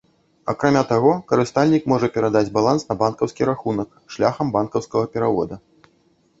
Акрамя таго, карыстальнік можа перадаць баланс на банкаўскі рахунак шляхам банкаўскага перавода.